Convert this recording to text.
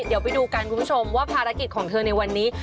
เดี๋ยวไปดูกันคุณผู้ชมว่าภารกิจของเธอในวันนี้